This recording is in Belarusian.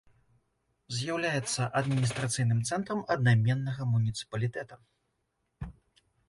З'яўляецца адміністрацыйным цэнтрам аднайменнага муніцыпалітэта.